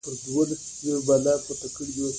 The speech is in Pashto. د ناپوهو سره ناسته مه کوئ! کېداى سي د هغو خوى واخلى!